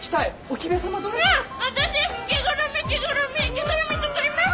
着ぐるみ作ります！